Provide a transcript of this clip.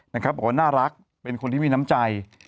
บอกว่าน่ารักเป็นคนที่มีน้ำใจ